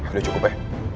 udah cukup ya